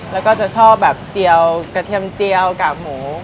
แล้วก็จะชอบแบบเจียวกระเทียมเจียวกากหมู